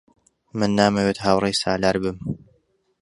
من نامەوێت هاوڕێی سالار بم.